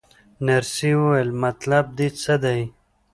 نرسې وویل: مطلب دې څه دی؟